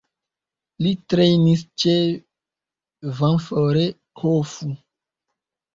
Li trejnis ĉe Ventforet Kofu.